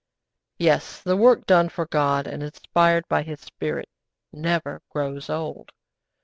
Yes, the work done for God and inspired by His Spirit never grows old.